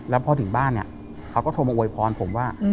แล้วพอถึงบ้านเนี่ยเขาก็โทรมาอวยพรผมว่า